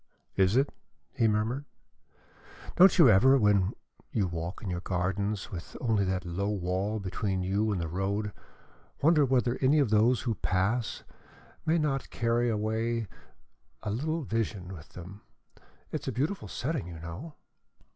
"Is it?" he murmured. "Don't you ever, when you walk in your gardens, with only that low wall between you and the road, wonder whether any of those who pass by may not carry away a little vision with them? It is a beautiful setting, you know."